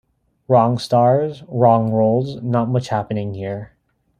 Wrong stars, wrong roles, not much happening here.